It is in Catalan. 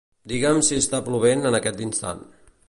Digue'm si està plovent en aquest instant.